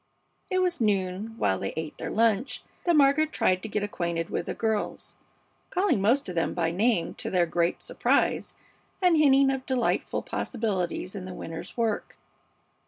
It was at noon, while they ate their lunch, that Margaret tried to get acquainted with the girls, calling most of them by name, to their great surprise, and hinting of delightful possibilities in the winter's work.